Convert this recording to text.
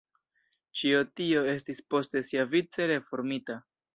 Ĉio tio estis poste siavice reformita.